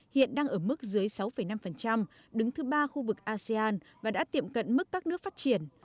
hiện đang ở mức dưới sáu năm đứng thứ ba khu vực asean và đã tiệm cận mức các nước phát triển